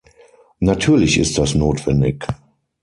Natürlich ist das notwendig.